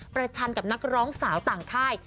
ชันกับนักร้องสาวต่างค่าย